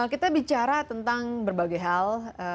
kita bicara tentang berbagai hal